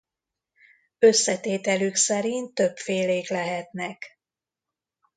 Összetételük szerint többfélék lehetnek.